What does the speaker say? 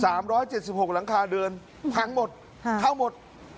สามร้อยเจ็ดสิบหกหลังคาเดือนพังหมดข้าวหมด